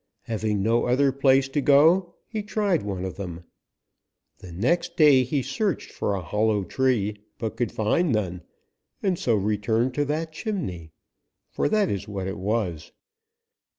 Having no other place to go, he tried one of them. The next day he searched for a hollow tree but could find none, and so returned to that chimney, for that is what it was.